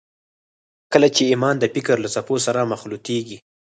کله چې ايمان د فکر له څپو سره مخلوطېږي.